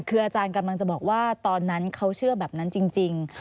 คืออาจารย์กำลังจะบอกว่าตอนนั้นเขาเชื่อแบบนั้นจริง